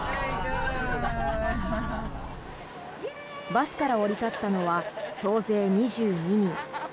バスから降り立ったのは総勢２２人。